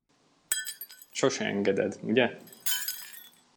Sose engeded, ugye?